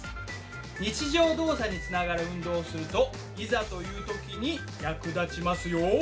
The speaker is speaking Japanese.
日常動作につながる運動をするといざという時に役立ちますよ。